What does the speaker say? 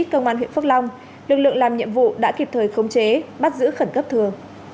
công an huyện phước long lực lượng làm nhiệm vụ đã kịp thời khống chế bắt giữ khẩn cấp thừa